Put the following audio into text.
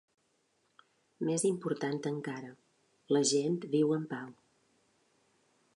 Més important encara, la gent viu en pau.